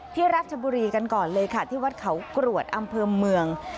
ราชบุรีกันก่อนเลยค่ะที่วัดเขากรวดอำเภอเมือง